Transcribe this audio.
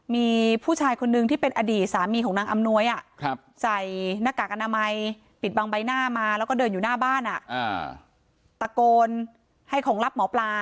มีผู้ชายคนนึงที่เป็นอดีตสามีของนางอำนวยอ่ะครับ